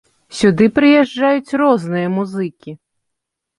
Сюды прыязджаюць розныя музыкі.